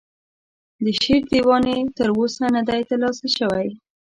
د شعر دیوان یې تر اوسه نه دی ترلاسه شوی.